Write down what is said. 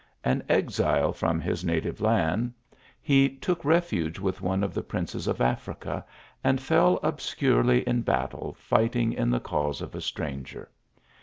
An exile from his native land, he took refuge with one of the princes of Africa, and fell obscurely in battle fighting in the cause of a stranger.